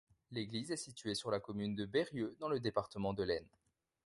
L'église est située sur la commune de Berrieux, dans le département de l'Aisne.